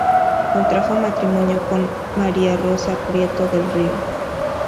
Contrajo matrimonio con María Rosa Prieto del Río.